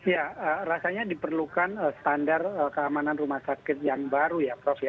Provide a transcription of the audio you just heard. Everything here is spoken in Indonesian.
ya rasanya diperlukan standar keamanan rumah sakit yang baru ya prof ya